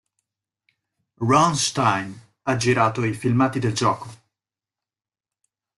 Ron Stein ha girato i filmati del gioco.